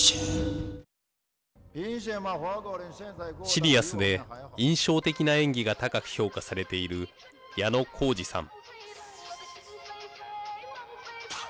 シリアスで印象的な演技が高く評価されている矢野浩二さん。